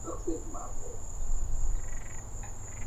alipata shida kuwaweka watoto wake wa kiume kwenye boti